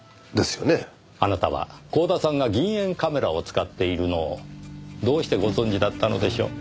あなたは光田さんが銀塩カメラを使っているのをどうしてご存じだったのでしょう？